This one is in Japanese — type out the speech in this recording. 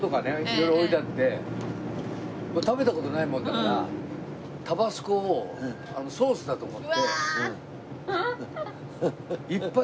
色々置いてあって食べた事ないもんだからタバスコをソースだと思っていっぱい